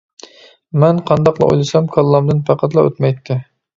مەن قانداقلا ئويلىسام كاللامدىن پەقەتلا ئۆتمەيتتى.